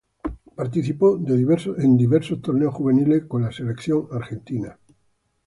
Participó de diversos torneos juveniles con la Selección Argentina.